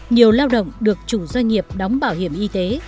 nhiều lao động được chủ doanh nghiệp đóng bảo hiểm y tế